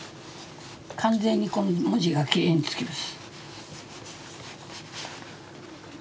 完全にこう文字がきれいにつきます。